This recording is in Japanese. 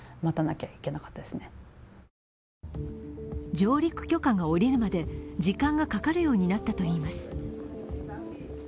上陸許可が下りるまで時間がかかりようになったといいます。